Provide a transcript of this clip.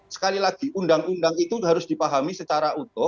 sekali lagi undang undang itu harus dipahami secara utuh